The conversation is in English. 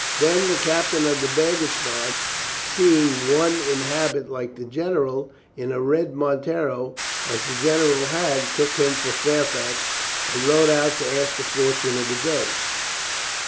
Then the captain of the baggage guard, seeing one in habit like the general, in a red montero, as the general had, took him for Fairfax, and rode out to ask the fortune of the day.